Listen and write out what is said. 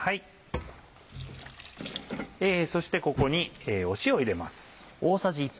そしてここに塩を入れます。